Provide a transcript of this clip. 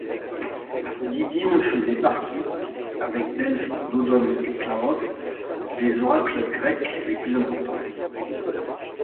Didymes faisait partie, avec Delphes, Dodone et Claros, des oracles grecs les plus importants.